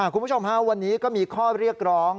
คุณผู้ชมฮะวันนี้ก็มีข้อเรียกร้อง